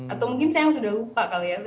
atau mungkin saya sudah lupa kali ya